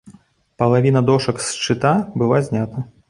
Палавіна дошак з шчыта была знята.